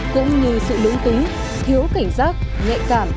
cũng như sự lưỡng túng thiếu cảnh sát nhạy cảm